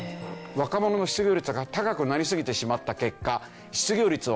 若者の失業率が高くなりすぎてしまった結果。